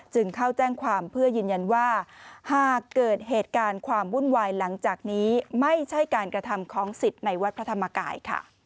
เข้าแจ้งความเพื่อยืนยันว่าหากเกิดเหตุการณ์ความวุ่นวายหลังจากนี้ไม่ใช่การกระทำของสิทธิ์ในวัดพระธรรมกาย